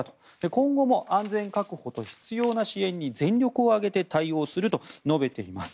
今後も安全確保と必要な支援に全力を挙げて対応すると述べています。